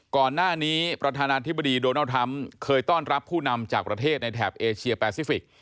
ก่อนหน้านี้ประธานาธิบดีโดนัลดทรัมป์เคยต้อนรับผู้นำจากประเทศในแถบเอเชียแปซิฟิกส